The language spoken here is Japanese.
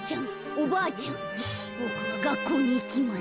おばあちゃんボクはがっこうにいきます。